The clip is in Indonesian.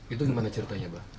itu gimana ceritanya pak